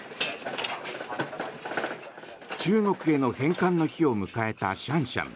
中国への返還の日を迎えたシャンシャン。